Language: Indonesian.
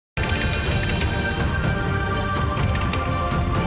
semakin banyak tekadan kehidupan di safegi